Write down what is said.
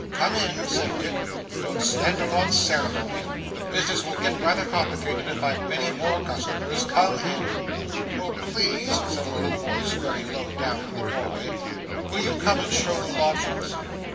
'Come in!' said Dick. 'Don't stand upon ceremony. The business will get rather complicated if I've many more customers. Come in!' 'Oh, please,' said a little voice very low down in the doorway, 'will you come and show the lodgings?